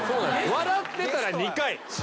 笑ってたら２回。